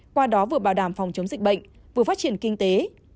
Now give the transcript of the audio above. qua đó vừa bảo đảm phòng chống dịch bệnh vừa phát triển kinh tế